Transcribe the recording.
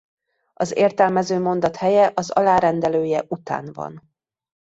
Az értelmező mondat helye az alárendelője után van.